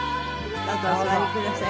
どうぞお座りください。